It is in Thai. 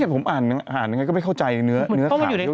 ผมอ่านยังไงก็ไม่เข้าใจเนื้อค่าที่เขาเขียนมานี่